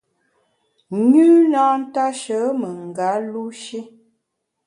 Nyü na ntashe menga lu shi.